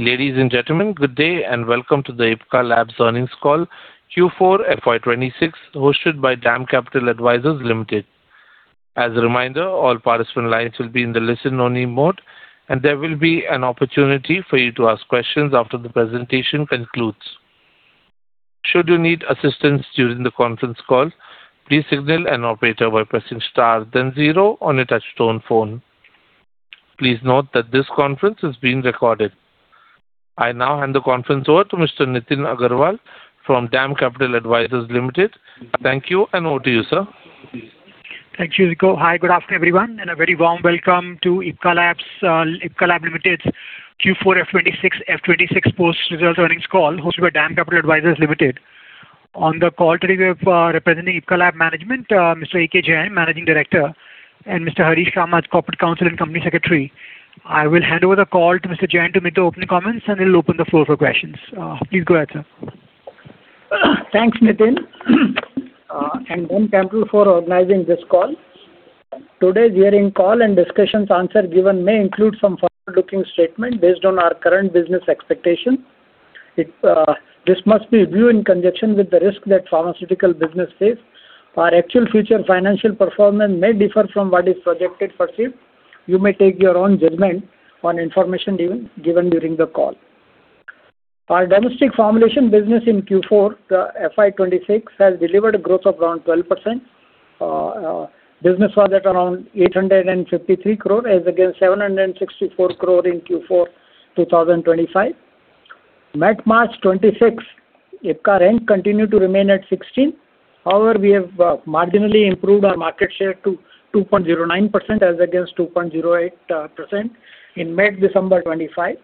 Ladies and gentlemen, good day, and welcome to the Ipca Labs earnings call Q4 FY 2026, hosted by DAM Capital Advisors Limited. As a reminder, all participant lines will be in the listen-only mode, and there will be an opportunity for you to ask questions after the presentation concludes. Should you need assistance during the conference call, please signal an operator by pressing star then zero on your touch tone phone. Please note that this conference is being recorded. I now hand the conference over to Mr. Nitin Agarwal from DAM Capital Advisors Limited. Thank you, and over to you, sir. Thank you. Hi, good afternoon, everyone, and a very warm welcome to Ipca Labs Limited's Q4 FY 2026 post-results earnings call hosted by DAM Capital Advisors Limited. On the call today, we have representing Ipca Lab management, Mr. A.K. Jain, Managing Director, and Mr. Harish Kamath, Corporate Counsel and Company Secretary. I will hand over the call to Mr. Jain to make the opening comments, and he will open the floor for questions. Please go ahead, sir. Thanks, Nitin. DAM Capital for organizing this call. Today's hearing call and discussions answer given may include some forward-looking statement based on our current business expectation. This must be viewed in conjunction with the risk that pharmaceutical business face. Our actual future financial performance may differ from what is projected foresee. You may take your own judgment on information given during the call. Our domestic formulation business in Q4 FY 2026 has delivered a growth of around 12%. Business was at around 853 crore as against 764 crore in Q4 2025. Mid-March 2026, Ipca rank continued to remain at 16. However, we have marginally improved our market share to 2.09% as against 2.08% in mid-December 2025.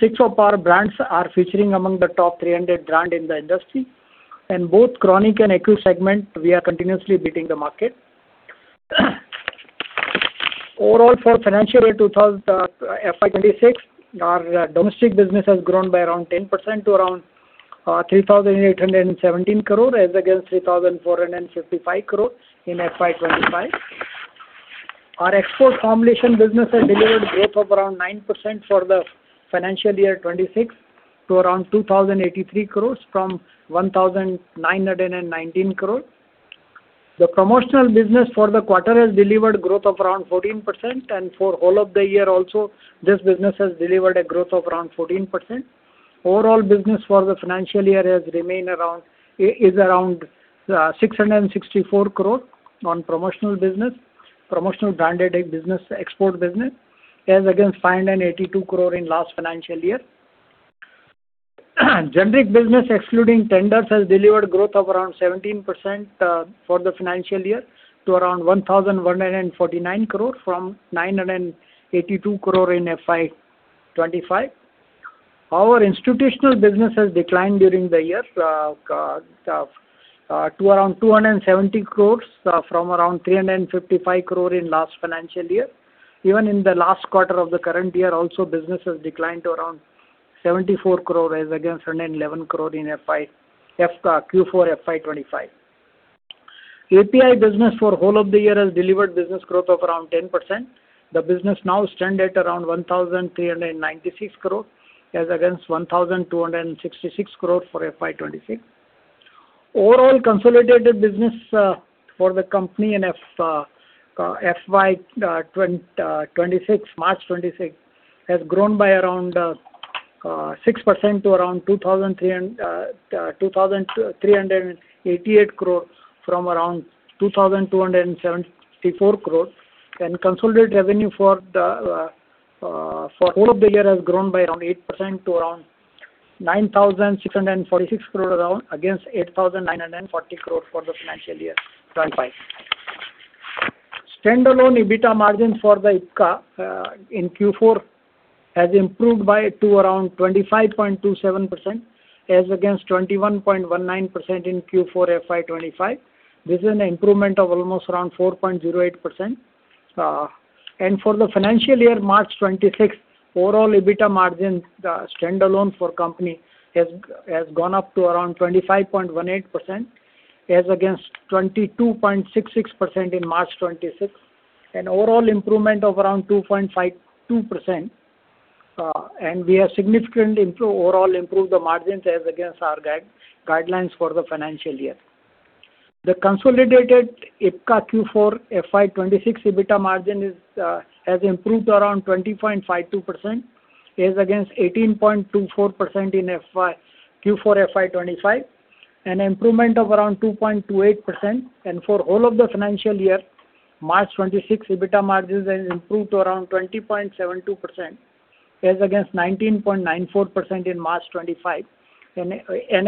Six of our brands are featuring among the top 300 brand in the industry, and both chronic and acute segment, we are continuously beating the market. Overall, for FY 2026, our domestic business has grown by around 10% to around 3,817 crore as against 3,455 crore in FY 2025. Our export formulation business has delivered growth of around 9% for the financial year 2026 to around 2,083 crore from 1,919 crore. The promotional business for the quarter has delivered growth of around 14%, and for all of the year also, this business has delivered a growth of around 14%. Overall business for the financial year is around 664 crore on promotional business, promotional branded business, export business, as against 582 crore in last financial year. Generic business, excluding tenders, has delivered growth of around 17% for the financial year to around 1,149 crore from 982 crore in FY 2025. Our institutional business has declined during the year to around 270 crore from around 355 crore in last financial year. Even in the last quarter of the current year, also, business has declined to around 74 crore as against 111 crore in Q4 FY 2025. API business for whole of the year has delivered business growth of around 10%. The business now stand at around 1,396 crore as against 1,266 crore for FY 2026. Overall consolidated business for the company in FY 2026, March 2026, has grown by around 6% to around 2,388 crore from around 2,274 crore. Consolidated revenue for whole of the year has grown by around 8% to around 9,646 crore around, against 8,940 crore for the financial year 2025. Standalone EBITDA margin for the Ipca in Q4 has improved to around 25.27% as against 21.19% in Q4 FY 2025. This is an improvement of almost around 4.08%. For the financial year, March 2026, overall EBITDA margin standalone for company has gone up to around 25.18% as against 22.66% in March 2026, an overall improvement of around 2.52%, and we have significantly overall improved the margins as against our guidelines for the financial year. The consolidated Ipca Q4 FY 2026 EBITDA margin has improved to around 20.52%, as against 18.24% in Q4 FY 2025, an improvement of around 2.28%. For all of the financial year, March 2026 EBITDA margins has improved to around 20.72%, as against 19.94% in March 2025, an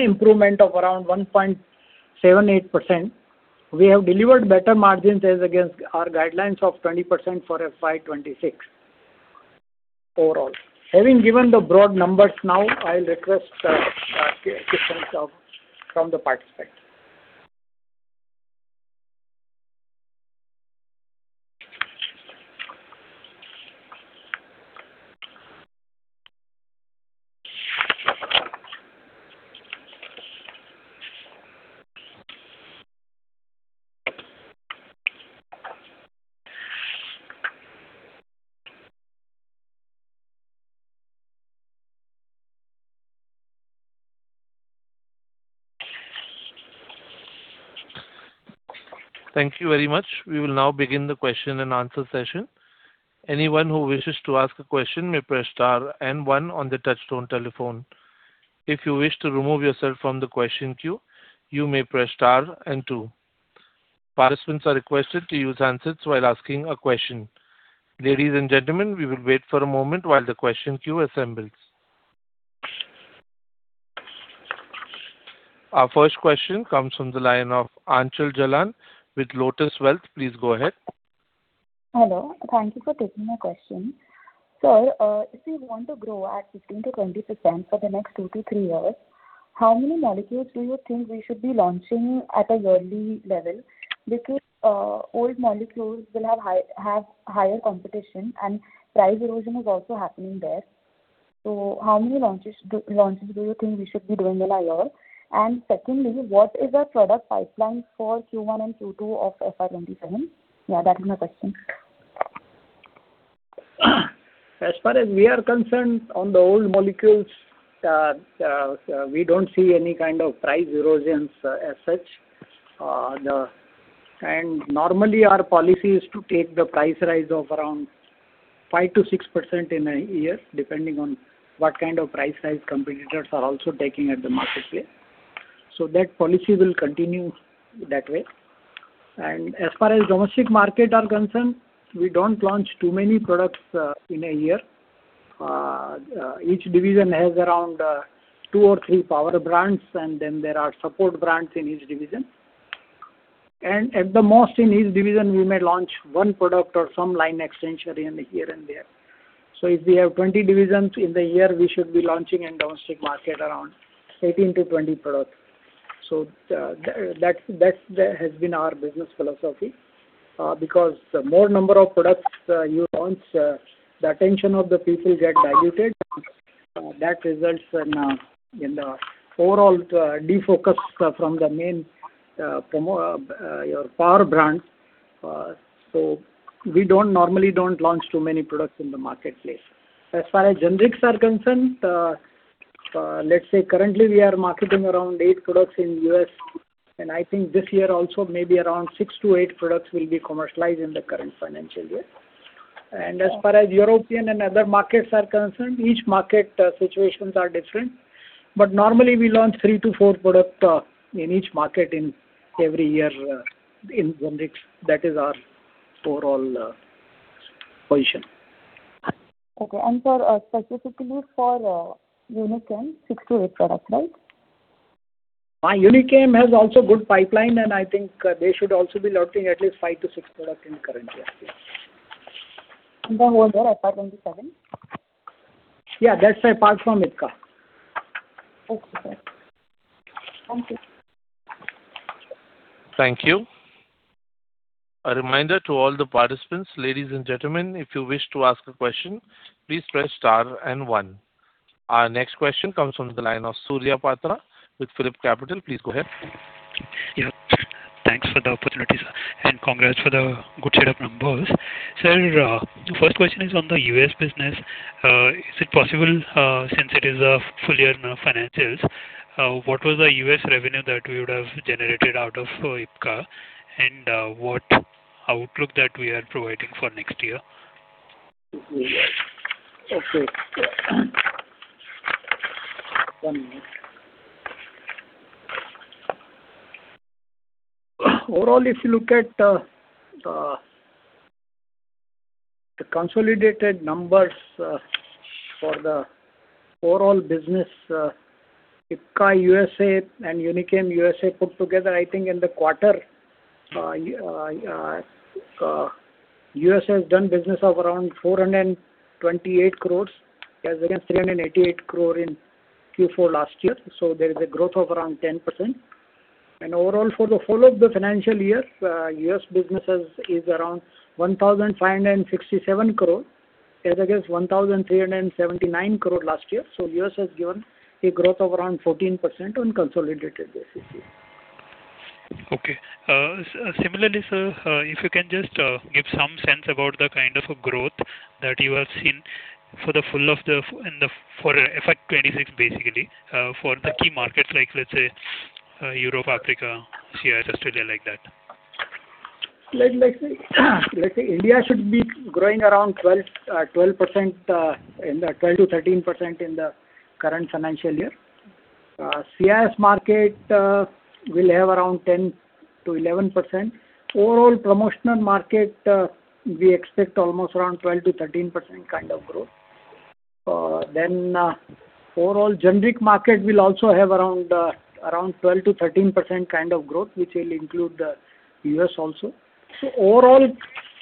improvement of around 1.78%. We have delivered better margins as against our guidelines of 20% for FY 2026 overall. Having given the broad numbers now, I'll request questions from the participant. Thank you very much. We will now begin the question-and-answer session. Anyone who wishes to ask a question, may press star and one in the touchtone telephone. If you wish to remove yourself from the question queue, you may press star and two. Far as concerned, requested to use while asking a question. Ladies and gentlemen, we will wait for a moment while the question queue assembles. Our first question comes from the line of Aanchal Jalan with Lotus Wealth. Please go ahead. Hello. Thank you for taking my question. Sir, if we want to grow at 15%-20% for the next two to three years, how many molecules do you think we should be launching at a yearly level? Because old molecules will have higher competition and price erosion is also happening there. How many launches do you think we should be doing in a year? Secondly, what is our product pipeline for Q1 and Q2 of FY 2027? Yeah, that is my question. As far as we are concerned on the old molecules, we don't see any kind of price erosions as such. Normally, our policy is to take the price rise of around 5%-6% in a year, depending on what kind of price rise competitors are also taking at the marketplace. That policy will continue that way. As far as domestic market are concerned, we don't launch too many products in a year. Each division has around two or three power brands, and then there are support brands in each division. At the most, in each division, we may launch one product or some line extension here and there. If we have 20 divisions in the year, we should be launching in domestic market around 18-20 products. That has been our business philosophy because the more number of products you launch, the attention of the people get diluted. That results in the overall defocus from your power brands. We normally don't launch too many products in the marketplace. As far as generics are concerned, let's say currently we are marketing around eight products in U.S., and I think this year also, maybe around six to eight products will be commercialized in the current financial year. As far as European and other markets are concerned, each market situations are different. Normally we launch three to four product in each market in every year in generics. That is our overall position. Okay. Sir, specifically for Unichem, six to eight product, right? Unichem has also good pipeline, and I think they should also be launching at least five to six product in current year. The whole year of FY 2027? Yeah, that's a part from Ipca. Okay. Thank you. Thank you. Our next question comes from the line of Surya Patra with PhillipCapital. Please go ahead. Yeah. Thanks for the opportunity, sir, and congrats for the good set of numbers. Sir, the first question is on the U.S. business. Is it possible, since it is a full year financials, what was the U.S. revenue that we would have generated out of Ipca? What outlook that we are providing for next year? Okay. One minute. Overall, if you look at the consolidated numbers for the overall business, Ipca U.S.A. and Unichem U.S.A. put together, I think in the quarter, U.S. has done business of around 428 crore as against 388 crore in Q4 last year. There is a growth of around 10%. Overall, for the full of the financial year, U.S. business is around 1,567 crore as against 1,379 crore last year. U.S. has given a growth of around 14% on consolidated basis. Okay. Similarly, sir, if you can just give some sense about the kind of a growth that you have seen for FY 2026, basically, for the key markets like let's say Europe, Africa, CIS, Australia, like that. Let's say India should be growing around 12%-13% in the current financial year. CIS market will have around 10%-11%. Overall promotional market, we expect almost around 12%-13% kind of growth. Overall generic market will also have around 12%-13% kind of growth, which will include the U.S. also. Overall,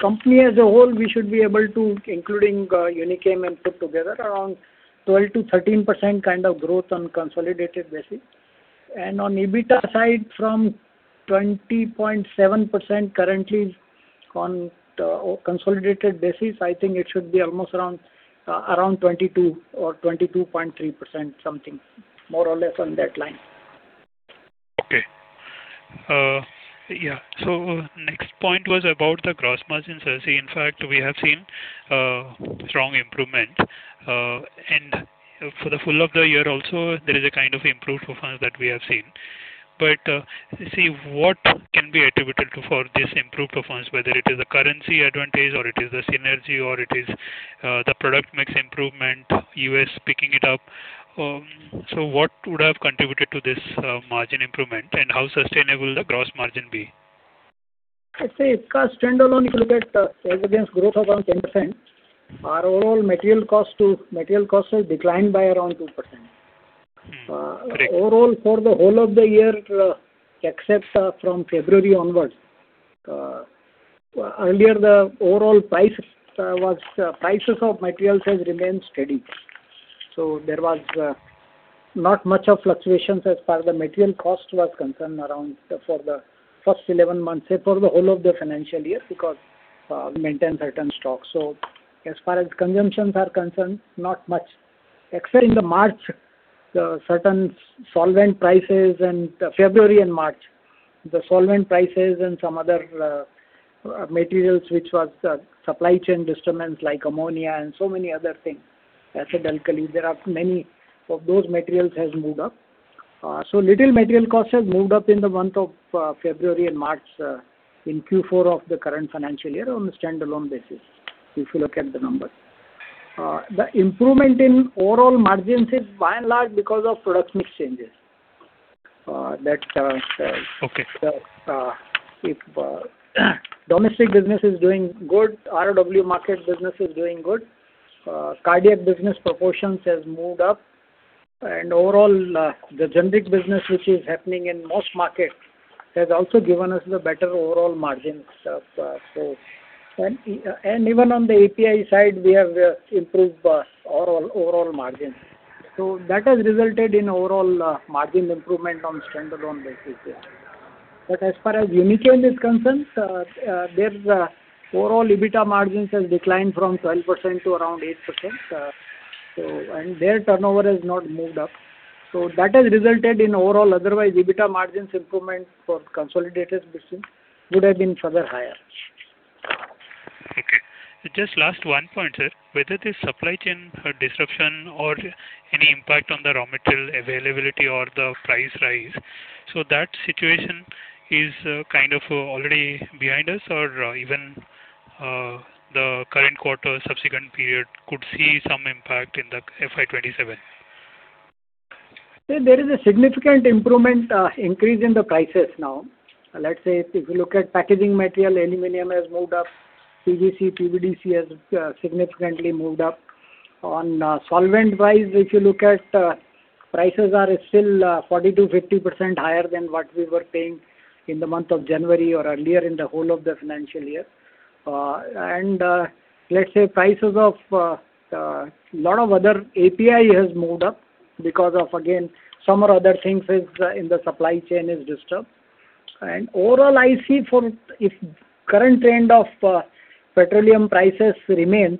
company as a whole, we should be able to, including Unichem and put together, around 12%-13% kind of growth on consolidated basis. On EBITDA side, from 20.7% currently on consolidated basis, I think it should be almost around 22% or 22.3%, something, more or less on that line. Okay. Next point was about the gross margin, sir. In fact, we have seen strong improvement. For the full of the year also, there is a kind of improved performance that we have seen. See what can be attributed for this improved performance, whether it is the currency advantage or it is the synergy or it is the product mix improvement, U.S. picking it up? What would have contributed to this margin improvement, and how sustainable the gross margin be? I'd say if standalone, you look at as against growth of around 10%, our overall material cost has declined by around 2%. Great. Overall, for the whole of the year, except from February onwards. Earlier, the overall prices of materials has remained steady. There was not much of fluctuations as far as the material cost was concerned around for the first 11 months, say, for the whole of the financial year because we maintain certain stocks. As far as consumptions are concerned, not much. Except in February and March, the solvent prices and some other materials which was supply chain disturbance, like ammonia and so many other things, acid alkali, there are many of those materials has moved up. Little material cost has moved up in the month of February and March in Q4 of the current financial year on a standalone basis, if you look at the numbers. The improvement in overall margins is by and large because of product mix changes. Okay. If domestic business is doing good, ROW market business is doing good. Cardiac business proportions has moved up, overall, the generic business, which is happening in most markets, has also given us the better overall margins. Even on the API side, we have improved overall margins. That has resulted in overall margin improvement on standalone basis. As far as Unichem is concerned, their overall EBITDA margins has declined from 12% to around 8%, and their turnover has not moved up. That has resulted in overall, otherwise, EBITDA margins improvement for consolidated business would have been further higher. Okay. Just last one point, sir. Whether this supply chain disruption or any impact on the raw material availability or the price rise, that situation is kind of already behind us or even the current quarter, subsequent period could see some impact in the FY 2027? There is a significant improvement increase in the prices now. Let's say if you look at packaging material, aluminum has moved up, PVC, PVDC has significantly moved up. On solvent price, if you look at prices are still 40%-50% higher than what we were paying in the month of January or earlier in the whole of the financial year. Let's say prices of lot of other API has moved up because of, again, some or other things in the supply chain is disturbed. Overall, I see if current trend of petroleum prices remain,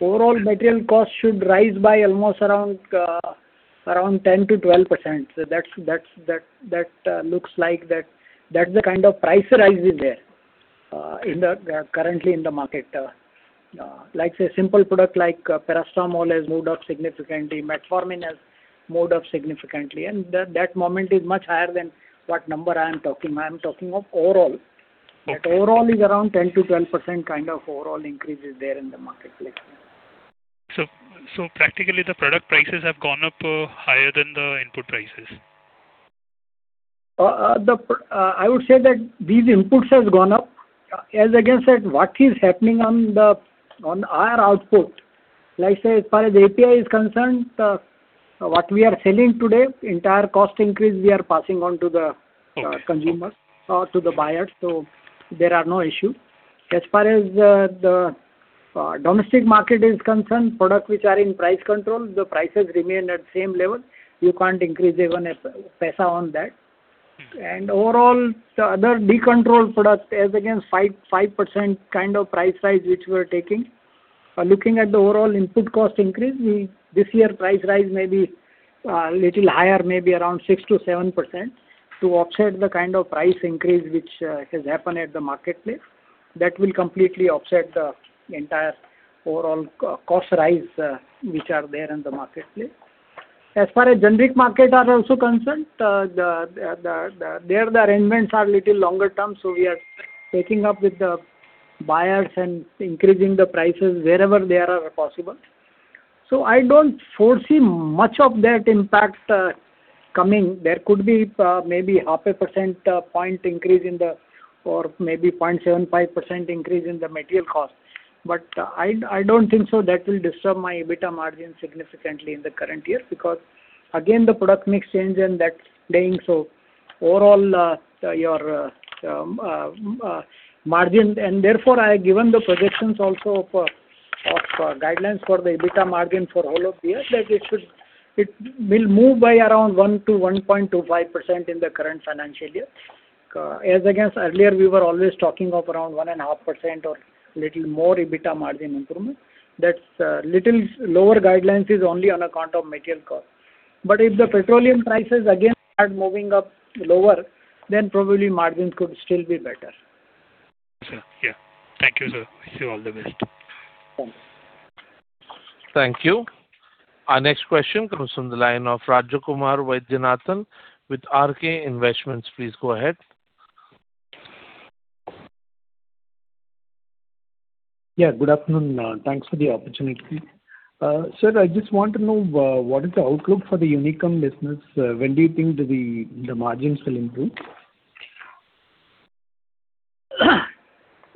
overall material cost should rise by almost around 10%-12%. That's the kind of price rise is there currently in the market. Like, say, simple product like paracetamol has moved up significantly, metformin has moved up significantly. That movement is much higher than what number I am talking. I am talking of overall. Okay. That overall is around 10%-12% kind of overall increase is there in the marketplace. Practically, the product prices have gone up higher than the input prices. I would say that these inputs has gone up. Again, sir, what is happening on our output, like say, as far as API is concerned, what we are selling today, entire cost increase, we are passing on to the consumers or to the buyers. There are no issue. As far as the domestic market is concerned, products which are in price control, the prices remain at same level. You can't increase even INR 0.01 on that. Overall, the other decontrolled product as against 5% kind of price rise, which we are taking. Looking at the overall input cost increase, this year price rise may be a little higher, maybe around 6%-7%, to offset the kind of price increase which has happened at the marketplace. That will completely offset the entire overall cost rise, which are there in the marketplace. As far as generic market are also concerned, there the arrangements are little longer term, we are taking up with the buyers and increasing the prices wherever there are possible. I don't foresee much of that impact coming. There could be maybe half a percent point increase or maybe 0.75% increase in the material cost. I don't think so that will disturb my EBITDA margin significantly in the current year because, again, the product mix change and that playing. Overall, your margin, and therefore, I given the projections also of guidelines for the EBITDA margin for whole of the year, that it will move by around 1%-1.25% in the current financial year. As against earlier, we were always talking of around 1.5% or little more EBITDA margin improvement. That's little lower guidelines is only on account of material cost. If the petroleum prices again start moving up lower, then probably margins could still be better. Sir. Yeah. Thank you, sir. Wish you all the best. Thanks. Thank you. Our next question comes from the line of Rajkumar Vaidyanathan with RK Investments. Please go ahead. Yeah, good afternoon. Thanks for the opportunity. Sir, I just want to know what is the outlook for the Unichem business. When do you think the margins will improve?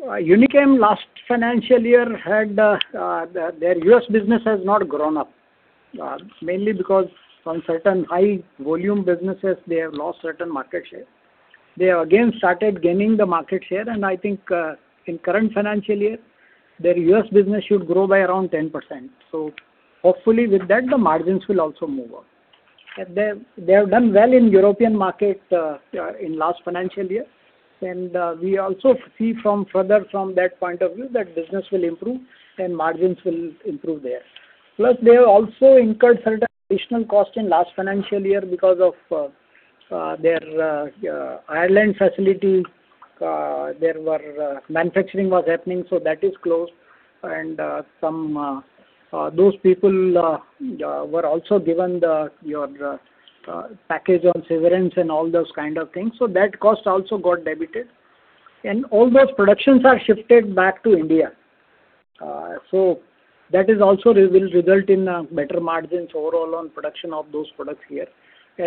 Unichem last financial year, their U.S. business has not grown up. Mainly because from certain high volume businesses, they have lost certain market share. They have again started gaining the market share, I think in current financial year, their U.S. business should grow by around 10%. Hopefully with that, the margins will also move up. They have done well in European market in last financial year. We also see from further from that point of view, that business will improve and margins will improve there. Plus, they have also incurred certain additional cost in last financial year because of their Ireland facility, there were manufacturing was happening, that is closed. Those people were also given the package on severance and all those kind of things. That cost also got debited. All those productions are shifted back to India. That also will result in better margins overall on production of those products here.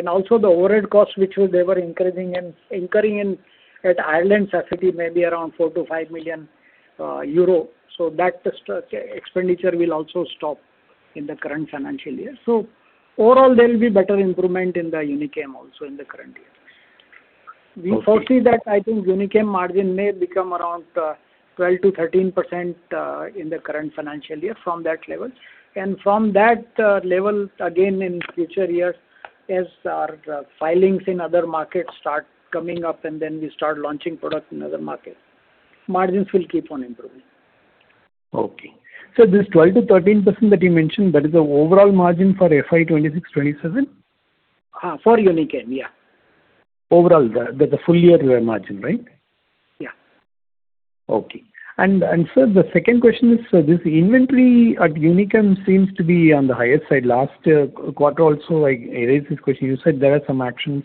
Also the overhead cost which they were incurring in at Ireland facility may be around 4 million-5 million euro. That expenditure will also stop in the current financial year. Overall there will be better improvement in Unichem also in the current year. Okay. We foresee that I think Unichem margin may become around 12%-13% in the current financial year from that level. From that level again in future years, as our filings in other markets start coming up and then we start launching products in other markets, margins will keep on improving. Okay. This 12%-13% that you mentioned, that is the overall margin for FY 2026/2027? For Unichem, yeah. Overall, the full year margin, right? Yeah. Okay. Sir, the second question is, this inventory at Unichem seems to be on the higher side. Last quarter also I raised this question. You said there are some actions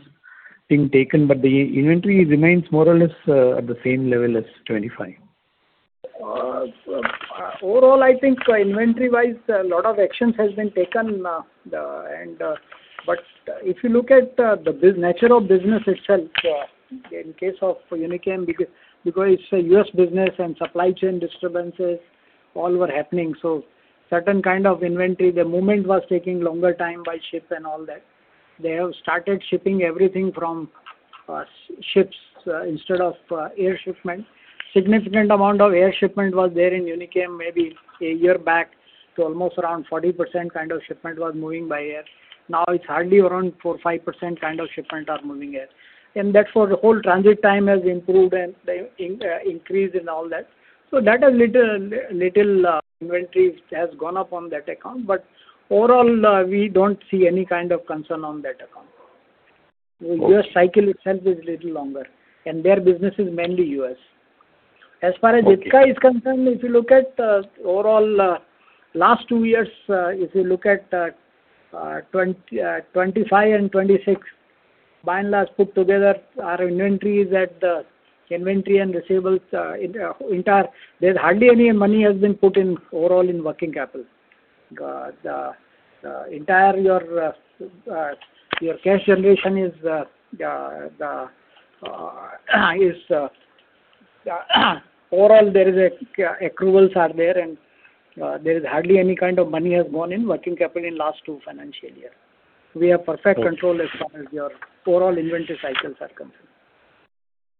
being taken, the inventory remains more or less at the same level as 25. Overall, I think inventory-wise, a lot of actions has been taken. If you look at the nature of business itself, in case of Unichem, because it's a U.S. business and supply chain disturbances all were happening. Certain kind of inventory, the movement was taking longer time by ship and all that. They have started shipping everything from ships instead of air shipment. Significant amount of air shipment was there in Unichem, maybe a year back to almost around 40% kind of shipment was moving by air. Now it's hardly around 4% or 5% kind of shipment are moving air. Therefore, the whole transit time has improved and increased and all that. Little inventory has gone up on that account, but overall, we don't see any kind of concern on that account. Okay. U.S. cycle itself is little longer, and their business is mainly U.S. Okay. As far as Ipca is concerned, if you look at overall last two years, if you look at FY 2025 and FY 2026, by and large put together our inventories and receivables entire, there's hardly any money has been put in overall in working capital. Overall there are accruals and there is hardly any kind of money has gone in working capital in last two financial years. We have perfect control. Okay. As far as your overall inventory cycles are concerned.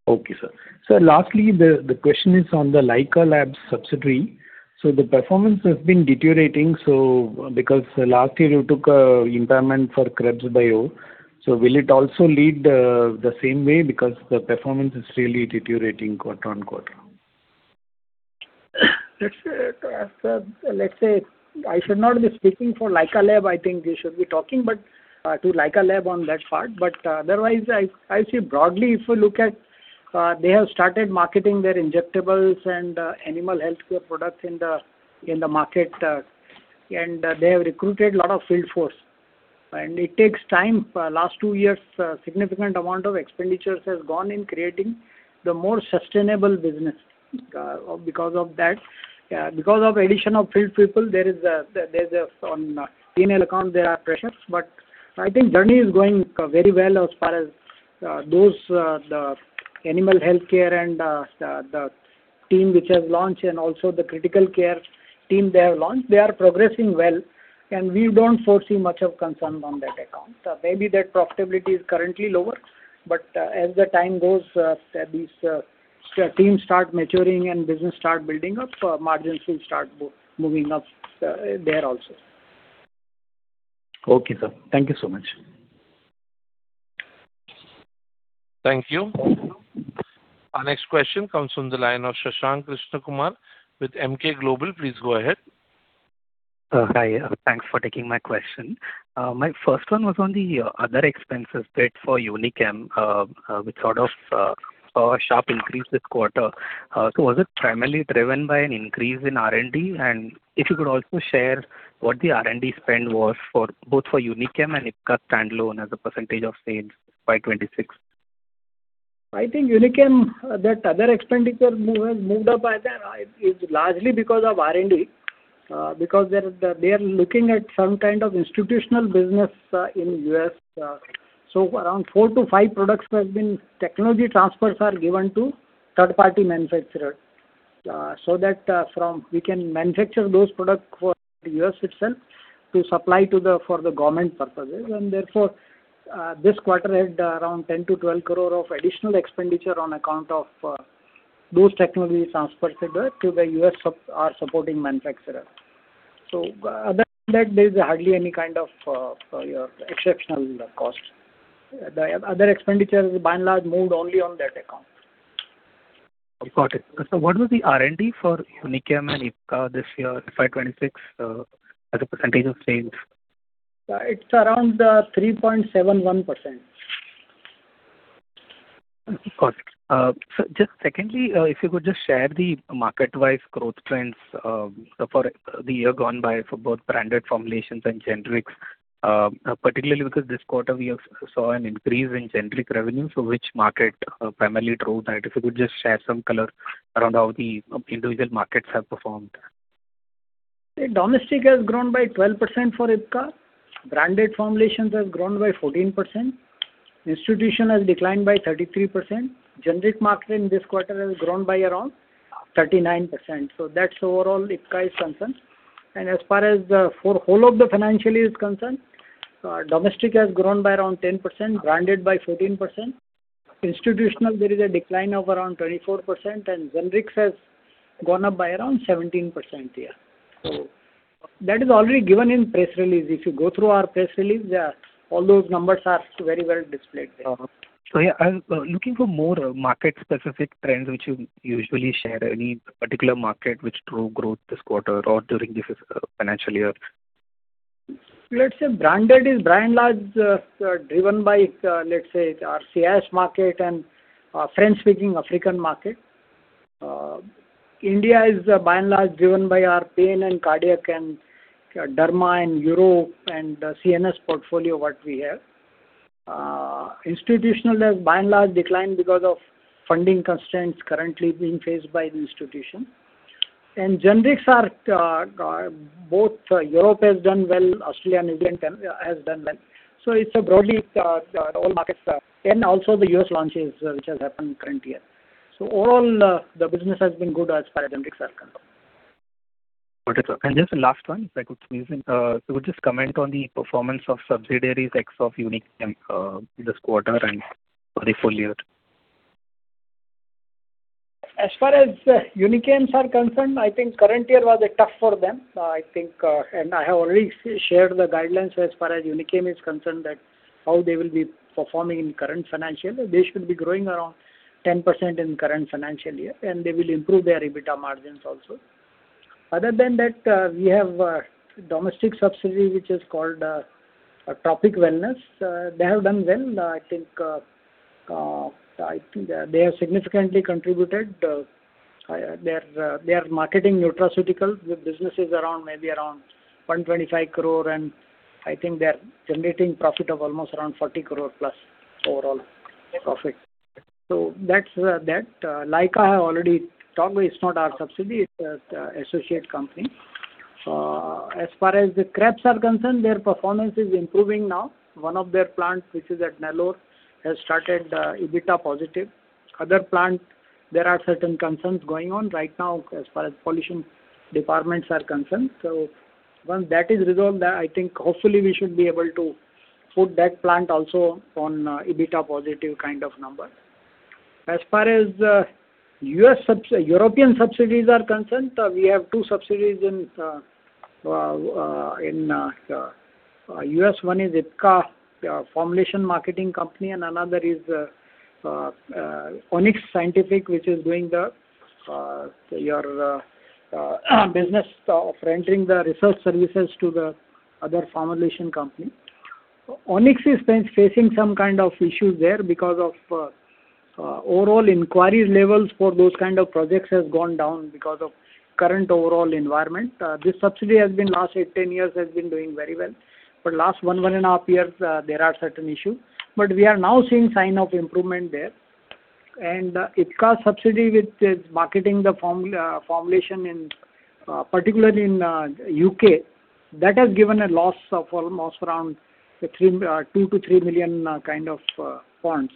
Okay, sir. Sir, lastly, the question is on the Lyka Labs subsidiary. The performance has been deteriorating, because last year you took a impairment for Krebs Bio. Will it also lead the same way? Because the performance is really deteriorating quarter-on-quarter. Let's say, I should not be speaking for Lyka Labs. I think they should be talking to Lyka Labs on that part. Otherwise, I see broadly, if you look at, they have started marketing their injectables and animal healthcare products in the market. They have recruited lot of field force. It takes time. Last two years, significant amount of expenditures has gone in creating the more sustainable business because of that. Because of addition of field people, there is on P&L account there are pressures, I think journey is going very well as far as those animal healthcare and the team which has launched and also the critical care team they have launched, they are progressing well and we don't foresee much of concern on that account. Maybe their profitability is currently lower, but as the time goes, these teams start maturing and business start building up, margins will start moving up there also. Okay, sir. Thank you so much. Thank you. Our next question comes from the line of Shashank Krishnakumar with Emkay Global. Please go ahead. Hi. Thanks for taking my question. My first one was on the other expenses bit for Unichem, which saw a sharp increase this quarter. Was it primarily driven by an increase in R&D? If you could also share what the R&D spend was, both for Unichem and Ipca standalone as a percentage of sales FY 2026. I think Unichem, that other expenditure moved up is largely because of R&D, because they are looking at some kind of institutional business in U.S. Around four to five products technology transfers are given to third-party manufacturer, so that we can manufacture those products for U.S. itself to supply for the government purposes. Therefore, this quarter had around 10 crore-12 crore of additional expenditure on account of those technology transfers to the U.S. are supporting manufacturer. Other than that, there's hardly any kind of exceptional cost. The other expenditure is by and large moved only on that account. Got it. What was the R&D for Unichem and Ipca this year, FY 2026, as a percentage of sales? It's around 3.71%. Got it. Just secondly, if you could just share the market-wide growth trends for the year gone by for both branded formulations and generics. Particularly because this quarter we saw an increase in generic revenue, so which market primarily drove that? If you could just share some color around how the individual markets have performed. Domestic has grown by 12% for Ipca. Branded formulations have grown by 14%. Institution has declined by 33%. Generic market in this quarter has grown by around 39%. That's overall Ipca is concerned. As far as for whole of the financial year is concerned, domestic has grown by around 10%, branded by 14%, institutional there is a decline of around 24%, and generics has gone up by around 17%. That is already given in press release. If you go through our press release, all those numbers are very well displayed there. Yeah, I was looking for more market-specific trends, which you usually share. Any particular market which drove growth this quarter or during this financial year? Let's say, branded is by and large driven by, let's say, our CIS market and French-speaking African market. India is by and large driven by our pain and cardiac and derma in Europe and CNS portfolio what we have. Institutional has by and large declined because of funding constraints currently being faced by the institution. Generics are both Europe has done well, Australia and New Zealand has done well. It's a broadly all markets, and also the U.S. launches which has happened current year. Overall, the business has been good as far as generics are concerned. Got it, sir. Just the last one, if I could squeeze in. If you could just comment on the performance of subsidiaries ex of Unichem in this quarter and for the full year. As far as Unichem are concerned, I think current year was tough for them. I have already shared the guidelines as far as Unichem is concerned, that how they will be performing in current financial year. They should be growing around 10% in current financial year. They will improve their EBITDA margins also. Other than that, we have a domestic subsidiary which is called Trophic Wellness. They have done well. I think they have significantly contributed. They are marketing nutraceuticals. Their business is maybe around 125 crore, and I think they are generating profit of almost around 40 crore plus overall profit. That. Lyka I have already talked about. It's not our subsidiary, it's associate company. As far as the Krebs are concerned, their performance is improving now. One of their plants, which is at Nellore, has started EBITDA positive. Other plant, there are certain concerns going on right now as far as pollution departments are concerned. Once that is resolved, I think hopefully we should be able to put that plant also on EBITDA positive kind of number. As far as European subsidiaries are concerned, we have two subsidiaries in U.S. One is Ipca formulation marketing company, and another is Onyx Scientific, which is doing your business of rendering the research services to the other formulation company. Onyx is facing some kind of issues there because of overall inquiry levels for those kind of projects has gone down because of current overall environment. This subsidiary last eight, 10 years has been doing very well. Last one and a half years, there are certain issues. We are now seeing signs of improvement there. Ipca subsidiary which is marketing the formulation, particularly in U.K., that has given a loss of almost around 2 million-3 million.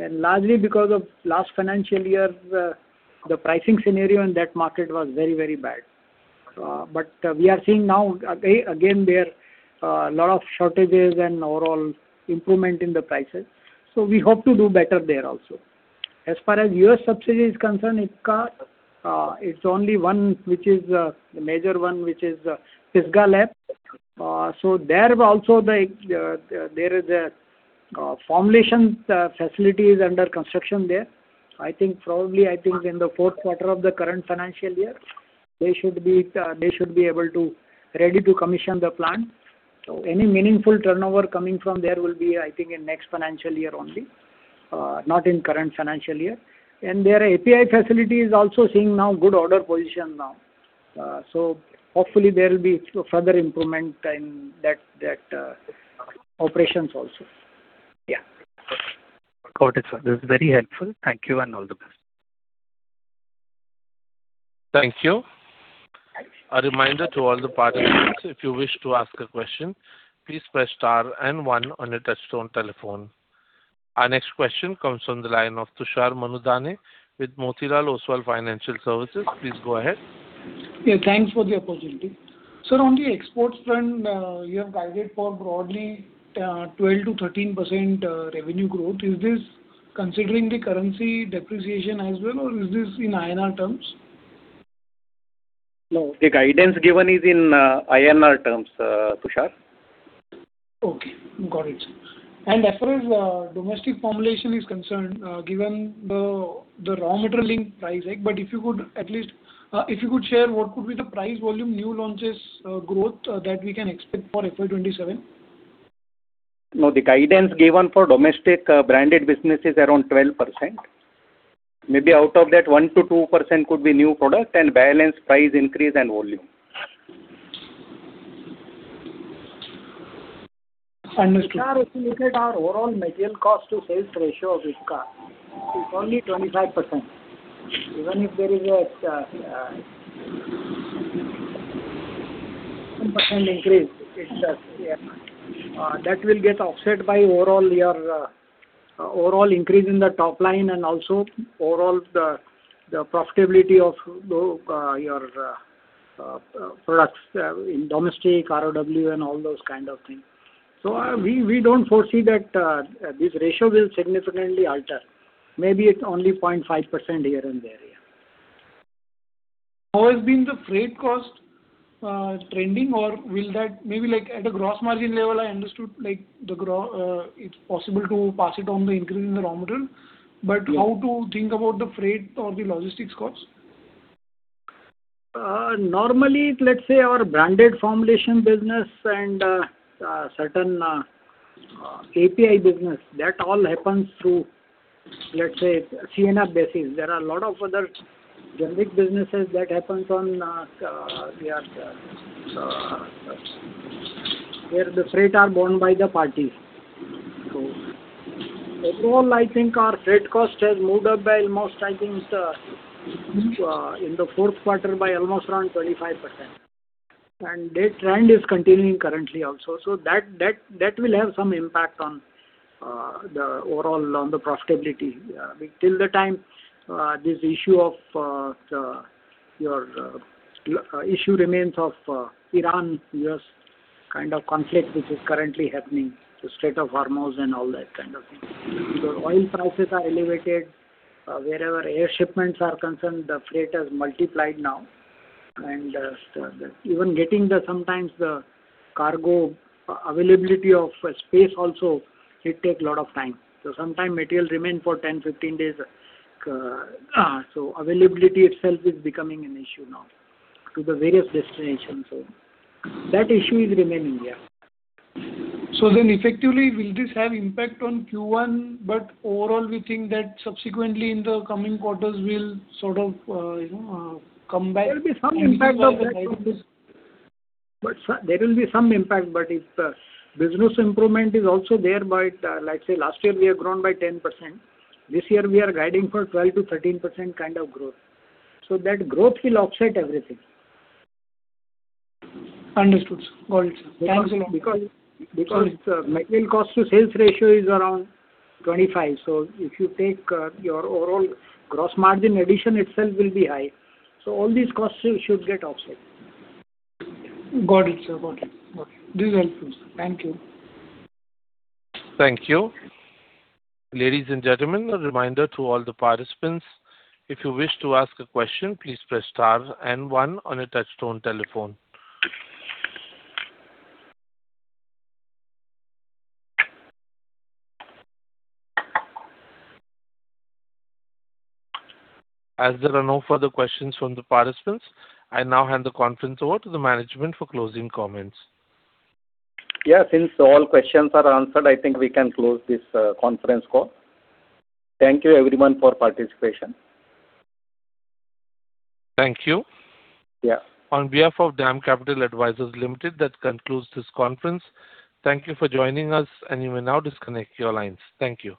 Largely because of last financial year, the pricing scenario in that market was very, very bad. We are seeing now again there lot of shortages and overall improvement in the prices. We hope to do better there also. As far as U.S. subsidiary is concerned, it's only one, which is the major one, which is Pisgah Labs. There also, there is a formulation facility is under construction there. I think probably in the fourth quarter of the current financial year, they should be ready to commission the plant. Any meaningful turnover coming from there will be, I think, in next financial year only, not in current financial year. Their API facility is also seeing now good order position now. Hopefully there will be further improvement in that operations also. Got it, sir. This is very helpful. Thank you, and all the best. Thank you. A reminder to all the participants, if you wish to ask a question, please press star and one on your touchtone telephone. Our next question comes from the line of Tushar Manudhane with Motilal Oswal Financial Services. Please go ahead. Yeah, thanks for the opportunity. Sir, on the exports front, you have guided for broadly 12%-13% revenue growth. Is this considering the currency depreciation as well, or is this in INR terms? No, the guidance given is in INR terms, Tushar. Okay, got it. As far as domestic formulation is concerned, given the raw material link pricing, but if you could share what could be the price volume new launches growth that we can expect for FY 2027? No, the guidance given for domestic branded business is around 12%. Maybe out of that, 1%-2% could be new product and balance price increase and volume. Understood. Sir, if you look at our overall material cost to sales ratio of Ipca, it's only 25%. Even if there is a 1% increase, that will get offset by overall increase in the top line and also overall the profitability of your products in domestic, ROW and all those kind of things. We don't foresee that this ratio will significantly alter. Maybe it's only 0.5% here and there. Yeah. How has been the freight cost trending, or will that maybe like at a gross margin level, I understood it's possible to pass it on the increase in the raw material? How to think about the freight or the logistics cost? Normally, let's say our branded formulation business and certain API business, that all happens through, let's say, C&F basis. There are a lot of other generic businesses that happens on where the freight are borne by the party. Overall, I think our freight cost has moved up by almost, I think, in the fourth quarter by almost around 25%. That trend is continuing currently also. That will have some impact on the profitability. Till the time this issue remains of Iran-U.S. kind of conflict, which is currently happening, the Strait of Hormuz and all that kind of thing. Oil prices are elevated. Wherever air shipments are concerned, the freight has multiplied now. Even getting the sometimes the cargo availability of space also, it take lot of time. Sometime material remain for 10, 15 days. Availability itself is becoming an issue now to the various destinations. That issue is remaining, yeah. Effectively, will this have impact on Q1? Overall, we think that subsequently in the coming quarters, we'll sort of come back. There will be some impact of that. There will be some impact, but if the business improvement is also there, like say last year we have grown by 10%, this year we are guiding for 12%-13% kind of growth. That growth will offset everything. Understood. Got it. Thanks a lot. Material cost to sales ratio is around 25%. If you take your overall gross margin addition itself will be high. All these costs should get offset. Got it, sir. This is helpful. Thank you. Thank you. Ladies and gentlemen, a reminder to all the participants, if you wish to ask a question, please press star and one on your touchtone telephone. As there are no further questions from the participants, I now hand the conference over to the management for closing comments. Yeah, since all questions are answered, I think we can close this conference call. Thank you everyone for participation. Thank you. Yeah. On behalf of DAM Capital Advisors Limited, that concludes this conference. Thank you for joining us, and you may now disconnect your lines. Thank you.